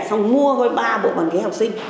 xong mua coi ba bộ bàn ghế học sinh